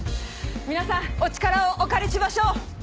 皆さんお力をお借りしましょう。